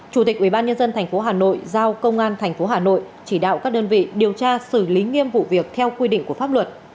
chủ tịch ubnd tp hà nội giao công an tp hà nội chỉ đạo các đơn vị điều tra xử lý nghiêm vụ việc theo quy định của pháp luật